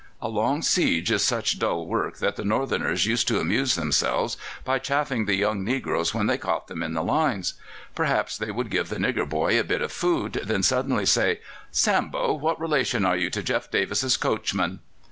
A long siege is such dull work that the Northerners used to amuse themselves by chaffing the young negroes when they caught them in the lines. Perhaps they would give the nigger boy a bit of food, then suddenly say: "Sambo, what relation are you to Jeff Davis's coachman?"